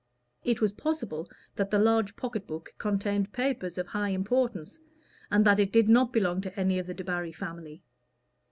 It was possible that the large pocket book contained papers of high importance, and that it did not belong to any of the Debarry family.